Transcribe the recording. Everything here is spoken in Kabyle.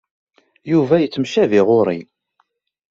Yuba yettemcabi ɣur-i.